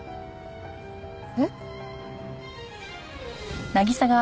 えっ？